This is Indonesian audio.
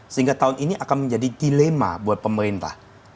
sehingga tahun ini akan menjadi dilema buat pemerintah